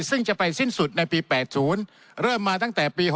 ซึ่งจะไปสิ้นสุดในปี๘๐เริ่มมาตั้งแต่ปี๖๐